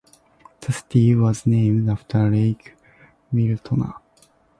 The city was named after Lake Miltona.